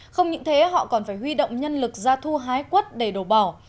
không những thế họ còn phải huy động nhân lực ra thu hái quất để đổ bỏ